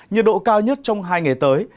nhiệt độ cao nhất trong hai ngày tới